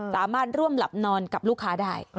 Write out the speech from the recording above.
สามารถร่วมหลับนอนกับลูกค้าได้